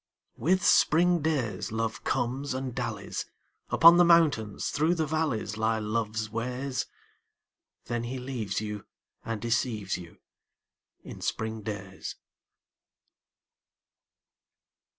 With spring days Love comes and dallies: Upon the mountains, through the valleys Lie Love's ways. Then he leaves you and deceives you In spring days.